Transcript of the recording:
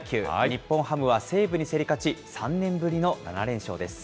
日本ハムは西武に競り勝ち、３年ぶりの７連勝です。